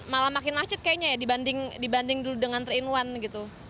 malah makin macet kayaknya ya dibanding dulu dengan tiga in satu gitu